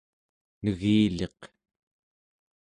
negiliq